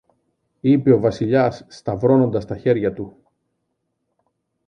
είπε ο Βασιλιάς σταυρώνοντας τα χέρια του